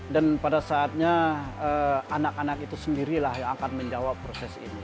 dan pada saatnya anak anak itu sendirilah yang akan menjawab proses ini